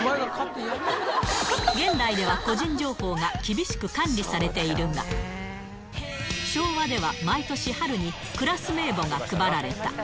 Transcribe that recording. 現代では個人情報が厳しく管理されているが、昭和では、毎年春にクラス名簿が配られた。